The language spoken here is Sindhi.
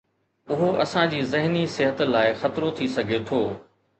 اهو اسان جي ذهني صحت لاء خطرو ٿي سگهي ٿو